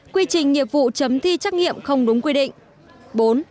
ba quy trình nhiệm vụ chấm thi trắc nghiệm không đúng quy định